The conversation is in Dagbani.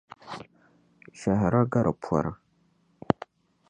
Shɛhira gari pɔri.